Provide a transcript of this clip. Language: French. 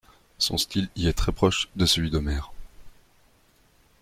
Son style y est très proche de celui d'Homère.